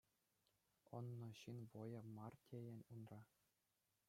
Ӑннӑ ҫын вӑйӗ мар тейӗн унра.